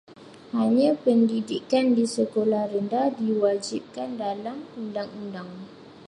Hanya pendidikan di sekolah rendah diwajibkan dalam undang-undang.